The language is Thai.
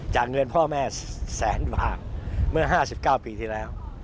เงินพ่อแม่แสนบาทเมื่อ๕๙ปีที่แล้ว